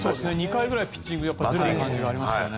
２回ぐらい、ピッチングずれている感じがありましたね。